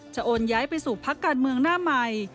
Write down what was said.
โอนย้ายไปสู่พักการเมืองหน้าใหม่